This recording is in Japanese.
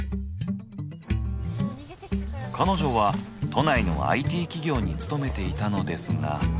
彼女は都内のＩＴ企業に勤めていたのですが。